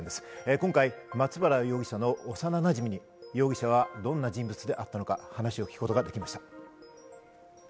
今回、松原容疑者の幼なじみに容疑者はどんな人物であったのか話を聞くことができました。